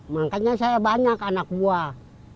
makanya saya banyak anak buah